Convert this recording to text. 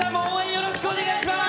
よろしくお願いします。